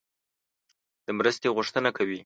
د مرستې غوښتنه کوي.